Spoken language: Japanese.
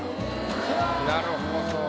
なるほど。